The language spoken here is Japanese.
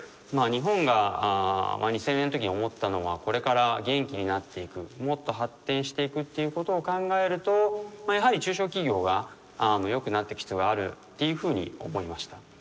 日本が２０００年のときに思ったのがこれから元気になっていくもっと発展していくっていうことを考えるとやはり中小企業が良くなっていく必要があるっていうふうに思いました。